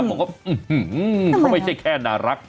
บอกว่าอื้อหือหือเขาไม่ใช่แค่น่ารัก